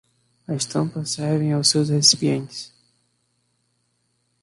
As tampas servem aos seus recipientes